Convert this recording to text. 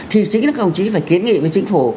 thì chính là các đồng chí phải kiến nghị với chính phủ